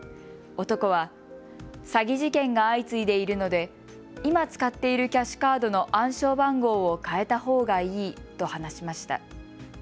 男は詐欺事件が相次いでいるので今、使っているキャッシュカードの暗証番号を変えたほうがいいと話しました。